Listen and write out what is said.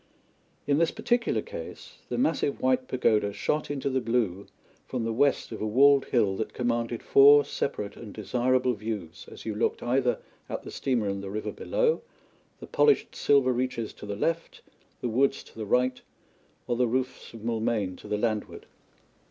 In this particular case, the massive white pagoda shot into the blue from the west of a walled hill that commanded four separate and desirable views as you looked either at the steamer in the river below, the polished silver reaches to the left, the woods to the right, or the roofs of Moulmein to the landward.